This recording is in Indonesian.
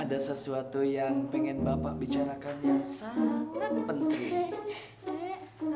ada sesuatu yang ingin bapak bicarakan yang sangat penting